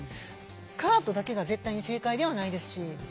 スカートだけが絶対に正解ではないですし。